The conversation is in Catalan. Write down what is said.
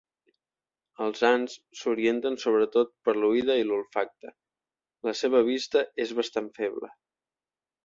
Els ants s'orienten sobretot per l'oïda i l'olfacte; la seva vista és bastant feble.